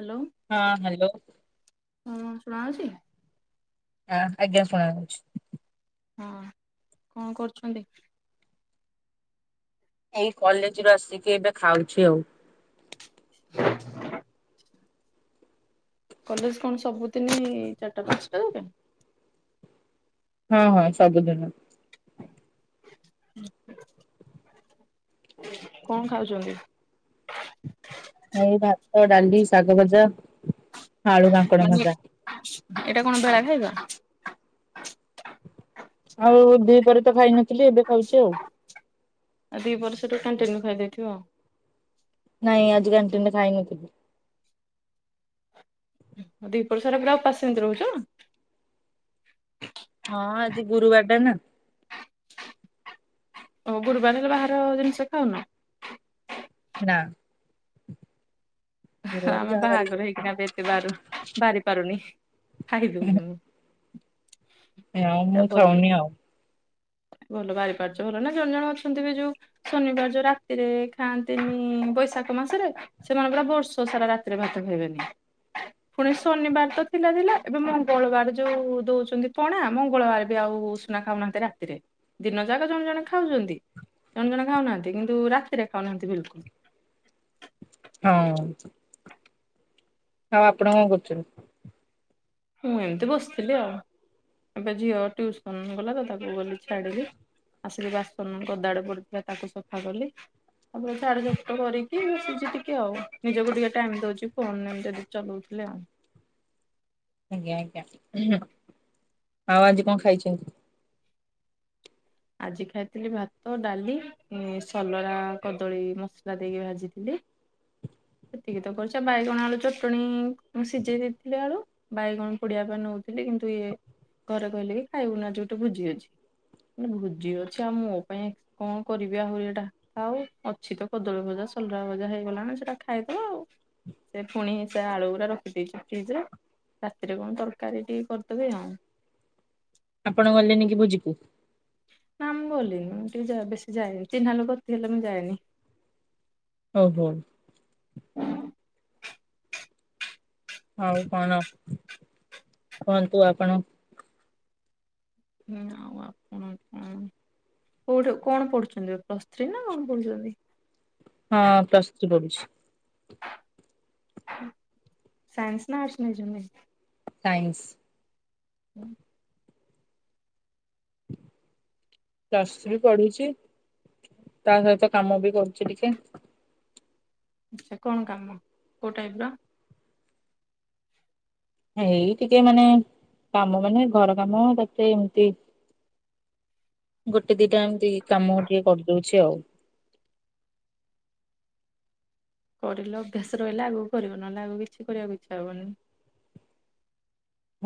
Hello. ହଁ hello. ହଁ ଶୁଣାଯାଉଚି? ହଁ ଆଜ୍ଞା ଶୁଣାଯାଉଛି। ହଁ କଣ କରୁଚନ୍ତି? ଏଇ କଲେଜରୁୁ ଆସିକି ଏବେ ଖାଉଛି ଆଉ। କଲେଜ କଣ ସବୁଦିନ ଚାରିଟା ପାଞ୍ଚଟା ଯାକେ? ହଁ ହଁ ସବୁ ଦିନ। କଣ ଖାଉଛନ୍ତି? ଏଇ ଭାତ, ଡାଲି, ଶାଗ ଭଜା। ଆଳୁ କାଙ୍କଣ ମାନେ ଭଜା। ଏଇଟା କଣ ବେଳା ଖାଇବା? ଆଉ ଦି ପହରେ ତ ଖାଇନଥିଲି ଏବେ ଖାଉଛି ଆଉ। ଆଉ ଦି ପରେ ସେଠୁ କାଣ୍ଟିନ୍ ରୁ ଖାଇଥିବ ଆଉ। ନାଇଁ ଆଜି କାନ୍ଟିନ୍ ଖାଇ ନଥିଲି। ଦିପହର ସାରା ପୁରା ଉପାଶ ସେମିତି ରହୁଛ? ହଁ ଆଜି ଗୁରୁବାରଟା ନା। ଓ ଗୁରୁବାର ହେଲେ ବାହାର ଜିନିଷ ଖାଉନ। ନା। ଗୁରୁବାର ଆମେ ଯାହା ବାହାଘର ହେଇକିନା ଖାଇବ। ବି ଏତେ ବା ବାରି ପାରୁନି। ଖାଇ ଦଉଛି ମୁଁ। ମୁଁଆଉ ମୁଁ ଖାଉନି ଆଉ। ଭଲ ବାହାରିପାରୁଛ ଭଲ ନା। ଜଣେ ଜଣ ଅଛନ୍ତି ବି ଯୋଉ ଶନିବାର ଯୋଉ ରାତିରେ ଖାଆନ୍ତିନି ବୈଶାଖ ମାସରେ ସେମାନେ ପୁରା ବର୍ଷ ସାରା ରାତିରେ ଭାତ ଖାଇବେନି। ପୁଣି ଶନିବାର ତ ଥିଲା ଥିଲା ଏବେ ମଙ୍ଗଳବାର ଯୋଉ ଦଉଛନ୍ତି ପଣା ମଙ୍ଗଳବାର ବି ଆଉ ନା ଖାଉନାହାନ୍ତି ଏରା ରାତିରେ ଦିନ ଯାକ ଜଣେ ଜଣେ ଖାଉଛନ୍ତି ଜଣେ ଜଣେ ଖାଉନାହାନ୍ତି କିନ୍ତୁ ରାତିରେ ଖାଉନାହାନ୍ତି ବିଲକୁଲ୍। ହଁ ହଉ ଆପଣ କଣ କରୁଛନ୍ତି? ମୁଁ ଏମିତି ବସିଥିଲି ଆଉ ଏବେ ଝିଅ ଟିଉସନ୍ ଗଲା ତ ତାକୁ ଗଲି ଛାଡିଲି। ଆସିକି ବାସନ ଗଦାଡେ ପଡିଥିଲା ତାକୁ ସଫା କଲି ତାପରେ ଝାଡ଼ୁ ଝପଟ କରିକି ବସୁଛି ଟିକେ ଆଉ ନିଜକୁ ଟିକେ ଟାଇମ ଦଉଛି ଫୋନରେ ଏମିତି ଚଲଉଥିଲେ ଆଉ ଆଜ୍ଞା ଆଜ୍ଞା ହୁଁ ଆଉ ଆଜି କଣ ଖାଇଛନ୍ତି? ଆଜି ଖାଇଥିଲି ଭାତ ଡାଲି ସଲରା କଦଳୀ ମସଲା ଦେଇକି ଭାଜିଥିଲି। ସେତିକି ତ କରିଛି ବାଇଗଣ ଆଳୁ ଚଟଣି ସିଝେଇ ଦେଇଥିଲେ ଆଳୁ ବାଇଗଣ ପୋଡିବା ପାଇଁ ନଉଥିଲି କିନ୍ତୁ ଇଏ ଘରେ କହିଲେ କି ଖାଇବୁ ନି ଆଜି ଗୋଟେ ଭୋଜି ଅଛି। ଭୋଜି ଅଛି ଆଉ ମୋ ପାଇଁ କଣ କରିବି ଆହୁରି ଏଇଟା ଆଉ ଅଛି ତ କଦଳୀ ଭଜା ସଲରା ଭଜା ହେଇଗଲାଣି ସେଟା ଖାଇବୁ ଆଉ ସେ ପୁଣି ସେ ଆଳୁ ଗୁରା ରଖିଦେଇଛି ଫ୍ରିଜ ରେ। ରାତିରେ କଣ ତରକାରୀ ଟିକେ କରିଦେବି ଆଉ ଆପଣ ଗଲେନେକି ଭୋଜିକୁ? ନା ମୁଁ ଗଲିନି ଟିକେ ବେଶୀ ଯାଏନି ଚିହ୍ନା ଲୋକ ଥିଲେ ତ ମୁଁ ଯାଏନି ହଉ ହୁଅ [unintelligible] ଆଉ କଣ କୁହନ୍ତୁ ଆପଣ ହୁଁ ଆପଣ କ କୋଉଠି କଣ ପଢୁଛନ୍ତି ପ୍ଲସ୍ ଥ୍ରୀ ନା କଣ ପଢୁଛନ୍ତି? ହଁ ପ୍ରସ୍ ଥ୍ରୀ ପଡୁଛି। ସାାଇନ୍ସ ନା ଆର୍ଟସ ନେଇଛନ୍ତି? ସାଇନ୍ସ। ପ୍ଲସ୍ ଥ୍ରୀ ପଢୁଛି ତା ସହିତ କାମ ବି କରୁଛି ଟିକେ ସେ କଣ କାମ କୋଉ ଟାଇପ୍ ର? ଏଇ ଟିକେ ମାନେ କାମ ମାନେ ଘର କାମ କେତେ ଏମତି ଗୋଟେ ଦିଟା ଏମିତି କାମ ଟିକେ କରିଦଉଛି ଆଉ। କରିଲଭସ [inaudible] ରହିଲା ଆଗକୁ କରିବ ନହେଲେ ଆଗକୁ କିଛି କରିବାକୁଇଛା ହବନି।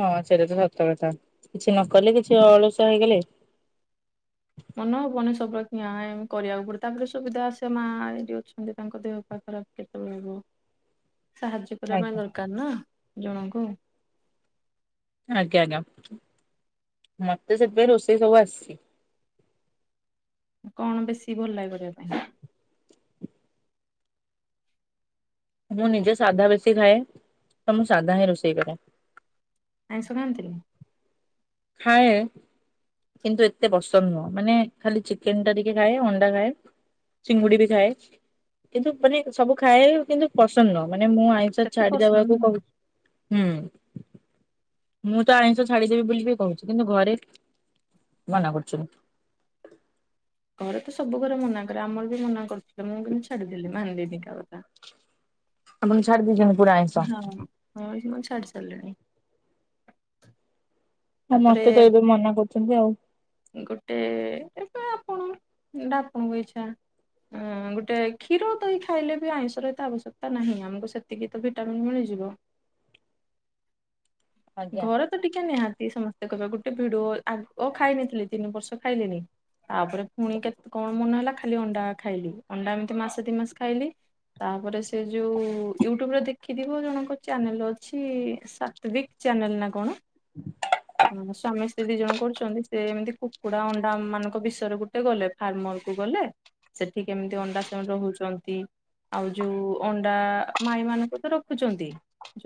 ହଁ ସେଇଟା ତ ସତ କଥା କିଛି ନ କଲେ କିଛି ଅଳସୁଆ ହେଇଗଲେ। ମନ ହବନି ସବୁୁବେଳେ କି କରିବାକୁ ପଡିବ ତାପରେ ସୁବିଧା ଆସେ ମା ଏଇଠି ଅଛନ୍ତି ତାଙ୍କ ଦେହ ପା ଖରାପ। କେତେବେଳେ ହବ ସାହାଯ୍ୟ କରିବା ପାଇଁ ଆଜ୍ଞା ଦରକାର ନା ଜଣଙ୍କୁ। ଆଜ୍ଞା ଆଜ୍ଞା ମତେ ସେଥିପାଇଁ ରୋଷେଇ ସବୁ ଆସିଛି। କଣ ବେଶୀ ଭଲଲାଗେ କରିବା ପାଇଁ? ମୁଁ ନିଜେ ସାଧା ବେଶୀ ଖାଏ ତ ମୁଁ ସାଧା ହିଁ ରୋଷେଇ କରେ। ଆଇଁଷ ଖାଆନ୍ତିନି? ଖାଏ କିନ୍ତୁ ଏତେ ପସନ୍ଦ ନୁହଁ ମାନେ ଖାଲି ଚିକେନ୍ ଟା ଟିକେ ଖାଏ ଅଣ୍ଡା ଖାଏ ଚିଙ୍ଗୁଡି ବି ଖାଏ କିନ୍ତୁ ମାନେ ସବୁ ଖାଏ କିନ୍ତୁ ପସନ୍ଦ ନୁହଁ ମାନେ ମୁଁ ଆଇଁ ସେତେ ପସନ୍ଦ ଛାଡିଦବାକୁ ନୁହଁ। କହୁଛି ହୁଁ ମୁଁ ତ ଆଇଁଷ ଛାଡିଦେବି ବୋଲିବି କହୁଛି କିନ୍ତୁ ଘରେ ମନା କରୁଛନ୍ତି ଘରେ ତ ସବୁବେଳେ ମନା କରେ ଆମର ବି ମନା କରିୁଥିଲେ ମୁଁ କିନ୍ତୁ ଛାଡିଦେଲି ମାଣିଲିନି କା କଥା। ଆପଣ ଛାଡ଼ିଦେଇଛନ୍ତି ପୁରା ଆଇଁଷ? ହଁ ହଁ ଜମା ଛାଡିସାରିଲିଣି। ହଁ ତାପରେ ମତେ ତ ଏବେ ମନା କରୁଚନ୍ତି ଆଉ। ଗୋଟେ ଏବେ ଆପଣ ଏଟା ଆପଣଙ୍କ ଇଛା। ଅଁ ଗୋଟେ କ୍ଷୀର ଦହି ଖାଇଲେ ବି ଆଇଁଷର ଏତେ ଆବଶ୍ୟକତା ନାହିଁ ଆମକୁ ସେତିକି ତ ଭିଟାମିନ୍ ମିଳିଯିବ। ଆଜ୍ଞା ଘର ତ ଟିକେ ନିହାତି ସମସ୍ତେ କହିବେ ଗୋଟେ ଭିଡ ଆଗ ଓ ଖାଇନଥିଲି ତିନି ବର୍ଷ ଖାଇଲିନି। ତାପରେ ପୁଣି କେତ କଣ ମନ ହେଲା ଖାଲି ଅଣ୍ଡା ଖାଇଲି ଅଣ୍ଡା ଏମିତି ମାସେ ଦି ମାସ ଖାଇଲି। ତାପରେ ସେ ଯୋଉ ୟୁଟ୍ୟୁବରେ ଦେଖିଥିବ ଜଣଙ୍କ ଚ୍ୟାନେଲ ଅଛି ସାତ୍ତ୍ୱିକ। ଚ୍ୟାନେଲ ନା କଣ? ହୁଁ ସ୍ୱାମୀ ସ୍ତ୍ରୀ ଦି ଜଣ କରୁଚନ୍ତି ସେ ଏମିତି କୁକୁଡା ଅଣ୍ଡା ମାନଙ୍କ ବିଷୟରେ ଗୋଟେ ଗଲେ ଫାର୍ମର କୁ ଗଲେ। ସେଠି କେମିତି ଅଣ୍ଡା ସେମାନ ରହୁଚନ୍ତି ଆଉ ଯୋଉ ଅଣ୍ଡା ମାଇ ମାନଙ୍କୁ ତ ରଖୁଚନ୍ତି।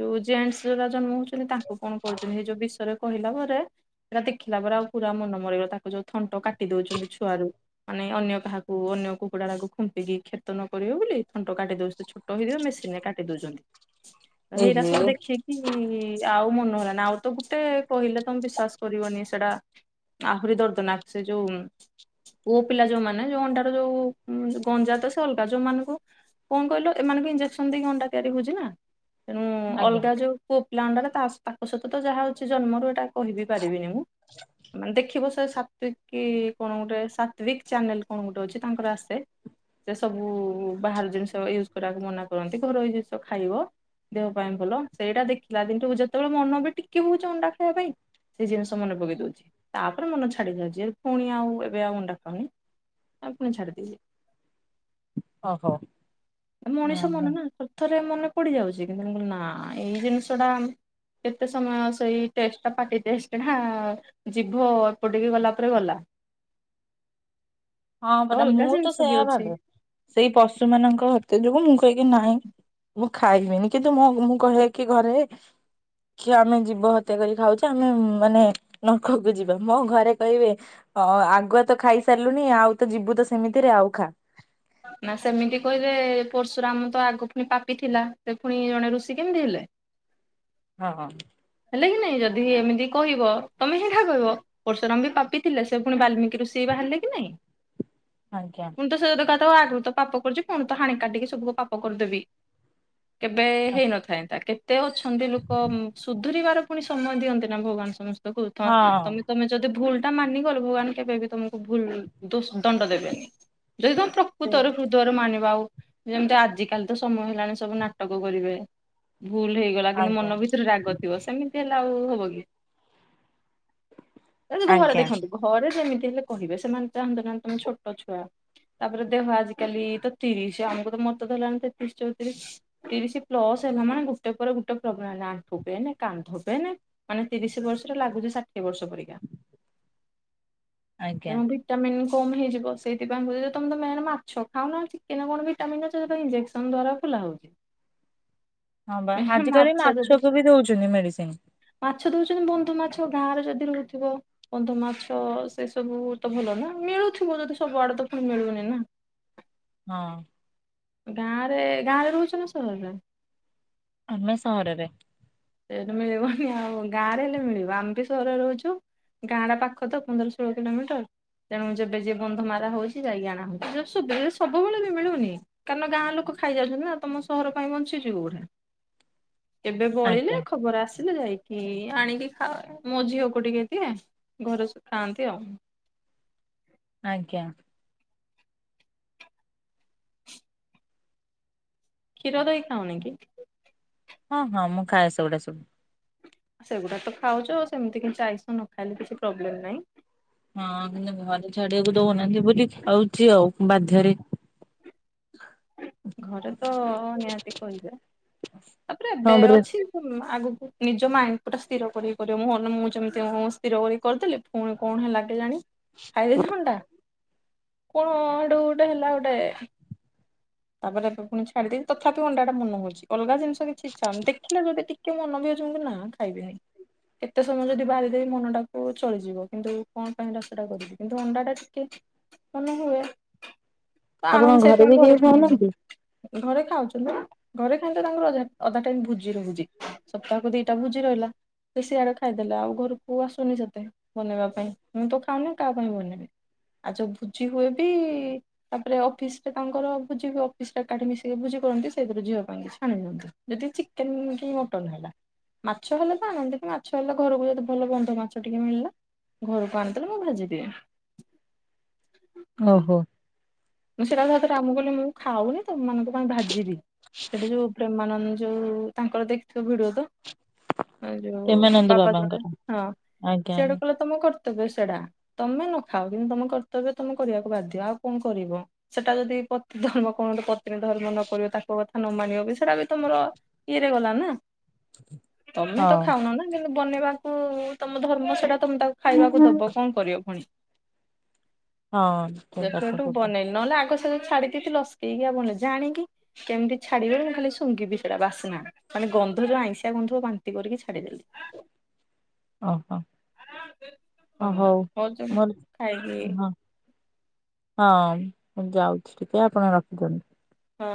ଯୋଉ ଜେଣ୍ଟସ ଅରା ଜନ୍ମ ହଉଚନ୍ତି ତାଙ୍କୁ କଣ କରୁଚନ୍ତି ଏଇ ଯୋଉ ବିଷୟରେ କହିଲା ପରେ ସେଟା ଦେଖିଲା ପରେ ଆଉ ପୁରା ମନ ମରଗଲା ତାକୁ ଯୋଉ ଥଣ୍ଟ କାଟି ଦଉଚନ୍ତି ଛୁଆରୁ। ମାନେ ଅନ୍ୟ କାହାକୁ ଅନ୍ୟ କୁକୁଡା ଟାକୁ ଖୁମ୍ପିକି କ୍ଷେତ ନ କରିବ ବୋଲି ଥଣ୍ଟ କାଟିଦଉଚି ଛୋଟ ରହି ଦ ମେସିନ ରେ କାଟି ଦଉଚନ୍ତି। ତ ଏଇଟା ଏହେ ସବୁ ଦେଖିକି ଆଉ ମନେହଲାନି। ଆଉ ତ ଗୋଟେ କହିଲେ ତମେ ବିଶ୍ୱାସ କରିବନି ସେଇଟା। ଆଖରି ଦର୍ଦନାଖ ସେ ଯୋଉ ପୁଅ ପିଲା ଯୋଉମାନେ ଯୋଉ ଅଣ୍ଡାର ଯୋଉ ଗଞ୍ଜଆ ତ ସେ ଅଲଗା ଯୋଉ ମାନଙ୍କୁ କଣ କହିଲ ଏମାନଙ୍କୁ ଇଞ୍ଜେସନ ଦେଇକି ଅଣ୍ଡା ତିଆରି ହଉଚି ନା ତେଣୁ ଆଜ୍ଞା ଅଲଗା ଯୋଉ ପୁଅ ପିଲା ଅଣ୍ଡା ଟା ତାଙ୍କ ସହିତ ତ ଯାହା ହଉଚି ଜନ୍ମରୁ ଏଇଟା କହିବି ପାରିବିନି ମୁଁ ମାନେ ଦେଖିବ ସେ ସାତ୍ଵିକ କି କଣ ଗୋଟେ ସାତ୍ଵିକ ଚ୍ୟାନେଲ କଣ ଗୋଟେ ଅଛି ତାଙ୍କର ଆସେ। ସେଥରେ ସବୁ ବାହାର ଜିନିଷ ୟୁଜ କରିବାକୁ ମନା କରନ୍ତି ଘରୋଇ ଜିନିଷ ଖାଇବ। ଦେହ ପାଇଁ ଭଲ ସେଇଟା ଦେଖିଲା ଦିନଠୁ ଯେତେବେଳେ ମନ ବି ଟିକେ ହଉଚି ଅଣ୍ଡା ଖାଇବା ପାଇଁ ସେଇ ଜିନିଷ ମନେ ପକେଇ ଦଉଚି। ତାପରେ ମନେ ଛାଡି ଯାଉଚି ପୁଣି ଆଉ ଏବେ ଆଉ ଅଣ୍ଡା ଖାଉନି। ଆଉ ପୁଣି ଛାଡ଼ି ଦେଇଚି। ଓହୋ। ହଁ ମଣିଷ ହଁ। ମନ ନା ଥରେ ଥରେ ମନେ ପଡିଯାଉଚି କିନ୍ତୁେ କହିଲି ନା ଏଇ ଜିନିଷ ଟା କେତେ ସମୟ ସେଇ ଟେଷ୍ଟ ଟା ପାଟି ଟେଷ୍ଟ ଟା ଜିଭ ଅଳ୍ପ ଟିକେ ଗଲା ପରେ ଗଲା। ହଁ ତ ପରା ଅଲଗା ମୁଁ ତ ଜିନିଷ ବି ସେଇୟା ଅଛି ଭାବେ। ସେଇ ପଶୁ ମାନଙ୍କ ହତ୍ୟା ଯୋଗୁଁ ମୁଁ କହେକି ନାହିଁ। ମୁଁ ଖାଇବିନି କିନ୍ତୁ ମୁଁ ମୁଁ କହେ କି ଘରେ କି ଆମେ ଜୀବ ହତ୍ୟା କରି ଖାଉଚେ ଆମେ ମାନେ ନର୍ଖ କୁ ଯିବା ମୋ ଘରେ କହିବେ ଅ ଆଗୁଆ ତ ଖାଇସାରିଲୁଣି ଆଉ ତ ଯିବୁ ତ ସେମିତିରେ ଆଉ ଖା। ନା ସେମିତି କହିଲେ ପର୍ଶୁରାମ ତ ଆଗୁ ପୁଣି ପାପି ଥିଲା ସେ ପୁଣି ଜଣେ ଋଷି କେମିତି ହେଲେ? ହଁ ହଁ। ହେଲେ କିି ନାଇଁ ଯଦି ଏମିତି କହିବ ତମେ ସେଠା କହିବ। ପର୍ଶୁରାମ ବି ପାପି ଥିଲେ, ସେ ପୁଣି ବାଲମିକି ଋଷି ହେଇ ବାହାରିଲେ କି ନାଇଁ? ଆଜ୍ଞା। ମୁୁ ତ ସେ କା ତ ଆଗରୁ ତ ପାପ କରିଚୁ ପୁଣି ତ ହାଣି କାଟିକି ସବୁ ପାପ କରିଦେବି। କେବେ ହେଇନଥାନ୍ତା କେତେ ଅଛନ୍ତି ଲୋକ ସୁଧୁରିବାର ପୁଣି ସମୟ ଦିଅନ୍ତି ନା ଭଗବାନ ସମସ୍ତଙ୍କୁ। ତ ହଁ ତମେ ତମେ ଯଦି ଭୁଲ ଟା ମାନିଗଲ ଭଗବାନ କେବେ ବି ତମକୁ ଭୁଲ ଦୋସ୍ ଦଣ୍ଡ ଦେବେନି ଯଦି ତମେ ପ୍ର ସେ କୁୁତରେ ହୃଦୟର ମାନିବା ଆଉ ଯେମିତି ଆଜିିକାଲି ତ ସମୟ ହେଲାଣି ସବୁ ନାଟକ କରିବେ। ଭୁଲ ହେଇଗଲା କିନ୍ତୁ ମନ ଆଜ୍ଞା ଭିତରେ ରାଗ ଥିବ ସେମିତି ହେଲା ଆଉ ହବ କି? ଜେମତି ଘରେ ଆଜ୍ଞା। ଦେଖନ୍ତୁ। ଘରେ ଯେମିତି ହେଲେ କହିବେ ସେମାନେ ଚାହାନ୍ତ ନାହାନ୍ତି ତମେ ଛୋଟ ଛୁଆ। ତାପରେ ଦେହ ଆଜିକାଲି ତ ତିରିଶ ଆମକୁ ତ ମତେ ତ ହେଲାଣି ତେତିରିଶ ଚଉତିରିଶ। ତିରିଶ ପ୍ଲ ହେଲାନେ ଗୋଟେ ପରେ ଗୋଟେ ପ୍ରୋ୍ଲେମ ହେଲା ଆଣ୍ଠୁ ପେନ। କାନ୍ଧ ପେନ ମାନେ ତିରିଶ ବର୍ଷରେ ଲାଗୁଛିେ ଷାଠିଏ ବର୍ଷ ପରିକା। ଆଜ୍ଞା [unintelligible] ଭିଟାମିନନ୍ କମ ହେଇଜୀବ ସେଥିପାଇଁଦ ତମେ ମେନ୍ ମାଛ ଖାଉ ନା ଚିକେନ କଣ ଭିଟାମିନନ୍ ଅଛି ସେଥିରେ ଟା ଇଞଜେକ୍ସନ୍। [unintelligible] ଖୋଲା ହଉଛି ହଁ ବା ମାଛ ଆଜିକାଲି ଯଦି ମାଛକୁ ବି ଦଉଛନ୍ତି ମେଡିସିନ। ମାଛ ଦଉଛନ୍ତି ବନ୍ଧ ମାଛ ଗାଁରେ ଯଦି ରହୁଥିବ। ବନ୍ଧମାଛ ସେ ସବୁ ତ ଭଲ ନା ମିଳୁଥିବ ଯଦି ସବୁ ଆଡେ ତ ପୁଣି ମିଳୁନି ନା। ହଁ। ଗାଁରେ ଗାଁରେ ରହୁଛ ନା ସହରରେ। ଆମେ ସହରରେ। ସେଠ ମିଳିବନି ଆଉ ଗାଁରେ ହେଲେ ମିଳିବ ଆମେ ବି ସହରରେ ରହୁଛୁ। ଗାଁଟା ପାଖ ତ ପନ୍ଦର ଷୋହଳ କିଲୋମିଟର। ତେଣୁ ଯେବେ ଯେବେ ବନ୍ଧ ମାରା ହଉଛି ଯାଇକି ଆଣା ହଉଛି। କାରଣ ଗାଁ ଲୋକ ଖାଇଯାଉଛନ୍ତି ନା ତମ ସହର ପାଇଁ ବଞ୍ଚୁଛି କୋଉଠି। ଆଜ୍ଞା ଖବର ଆସିଲେ ଯାଇକି ଆଣିକି ଖାଏ ମୋ ଝିଅକୁ ଟିକେ ଦିଏ। ଘରେ ସବ ଖାଆନ୍ତି ଆଉ। ଆଜ୍ଞା। କ୍ଷୀର ଦହି ଖାାଉନ କି? ହଁ ହଁ ମୁଁ ଖାଏସ ଗୁଟା ସବୁ। ସେଗୁଡା ତ ଖାଉଛ ସେମିତି କିଛି ଆଇଷ ନ ଖାଇଲେ କିଛି ପ୍ରୋବ୍ଲେମ ନାହିଁ। ହଁ କିନ୍ତୁ ଘରେ ଛାଡିବାକୁ ଦଉନାହାନ୍ତି ବୋଲି ଖାଉଛି ଆଉ ବାଧ୍ୟରେ। ହ ଘରେ ତ ନିହାତି କହିଵେ ତାପରେ ହଁ ଏବେ ପରା ଅଛି। ଆଗକୁ ନିଜ ମାଇଣ୍ଡ ଟା ସ୍ଥିର କରି କରିବ ମୁ ମୁଁ ଯେମିତି ସ୍ଥିର କର କରିଦେଲି। ପୁଣି କଣ ହେଲାାଗେ ଜାଣି। କଣ ହେଟୂ ହେଲା ଗୋଟେ। ତାପରେ ଏବେଫୁଣି ଛାଡିଦେବି ତଥାପି ଅଣ୍ଡା ମନ ହଉଛି ଅଲଗା ଜିନିସ କିଛି ଇଚ୍ଛା ହଉନି ଦେଖିଲେ ଯଦି ଟିକେ ମନ ବି ଅଛନ୍ତି ନା ଖାଇବିନି। କେତେ ସମୟ ଯଦି ବାହାରିଦବି ମନଟାକୁ ଚଳିଯିବ କିନ୍ତୁ କଣ ପାଇଁ ଯାତ୍ରା କରିବି କିନ୍ତୁ ଅଣ୍ଡା ଟା ଟିକେ କଣ ହୁଏ ତ ଆନ ଆପଣଙ୍କ ଘରେ ସେଇପଁ ବି କେହି କରି। ଖାଉନାହାନ୍ତି? ଘରେ ଖାଉଛନ୍ତି। ଘରେ ଖାଇଲେ ଟା ତାଙ୍କର ଅଧା ଅଧା ଟାଇ ଭୋଜି ରହୁଛି ସପ୍ତାହକୁ ଦିଟା ଭୋଜି ରହିଲା। ବେଶି ଆଡେ ଖାଇଦେଲେ ଆଉ ଘରକୁ ଆସୁନି ସେତେ ବନେଇବା ପାଇଁ ମୁଁ ତ ଖାଉନି କାହା ପାଇଁ ବନେଇବି। ଆ ଯଉ ଭୁଜି ହୁଏ ବି ତାପରେ ଅଫିସ ରେ ତାଙ୍କର ଅଫିସ ରେ ଏକାଠି ମିଶିକି ଭୋଜି କରନ୍ତି ସେଇଥିରୁ ଝିଅ ପାଇଁ କିଛି ଆଣି ନିଅନ୍ତି। ଯଦି ଚିକେନ କି ମଟନ ହେଲା। ମାଛ ହେଲେ ତ ଆଣନ୍ତି ମାଛ ହେଲେ ଘରକୁ ଯଦି ଭଲ ବନ୍ଧ ମାଛ ଟିକେ ମିଳିଲା। ଘରକୁ ଆଣିଦେଲେ ମୁଁ ଭାଜିଦିିଏ। ଓହୋ। ମୁଁ ସେଟା ସତ ଆ କହଲି ମୁଁ ଖାଉନି ତମ ମାନଙ୍କ ପାଇଁ ଭାଜିବି ସେଟୁ ଯୋଉ। ଯୋଉ ତାଙ୍କର ଦେଖିଥିବଭିଡିଓ ତ। ଆ ଯୋଉ ପ୍ରେମାନନ୍ଦ ବାବା ବାବାଙ୍କର [unintelligible] ଆଜ୍ଞା ଆଜ୍ଞା ସେଆଡେ ତମ କର୍ତ୍ତବ୍ୟ ସେଟା ତମେ ନ ଖାଅ କିନ୍ତୁ ତମ କର୍ତ୍ତବ୍ୟ ତମେ କରିବାକୁ ବାଧ୍ୟ ଆଉ କଣ କରିବ। ସେଟା ଯଦି ପତି ଧର୍ମ କଣ ପତ୍ନୀ ଧର୍ମ ନ କରିବ ତାଙ୍କ କଥା ନ ମାନିବ ବି ସେଇଟା ବି ତ ମୋର କିିଇରେ ଗଲା ନା ତମେ ତ ହଉ। ଖାଉନ ନା କିନ୍ତୁ ବନେଇବାକୁ ତମ ଧର୍ମ ସେଟା ତମେ ତାକୁ ଖାଇବାକୁ ଦବ କଣ କରିବ ପୁଣି ହଁ ଠିକ କଥା ସେଠୁଠୁ କହୁଛ ବନେଇି ନହେଲେ ଆଗ ସେ ଯୋଉ ଛାଡିକି ଥିଲ ଲସକେଇକିଉ ବନେଇଜା ଆଣିକି କେମିତି ଛାଡିବେ ବୋଲି ମୁଁ ଖାଲି ଶୁଙ୍ଘିବି ସେଇଟା ବାସନା। ଖାଲି ଗନ୍ଧ ଯେ ଆଇଁଷିଆ ଗନ୍ଧ ବାନ୍ତି କରିକି ଛାଡିଦେଲି। ଓହୋ ହଁ ଓ ହଉ ଜମା ଖାଇକି ମଲତ ହଁ ହଁ ମୁଁ ଯାଉଛି ଟିକେ ଆପଣ ରଖିଦିଅନ୍ତୁ। ହଁ